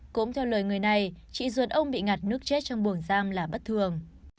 cũng theo lời người này chị ruột ông bị ngặt nước chết trong buồng giam là bất thường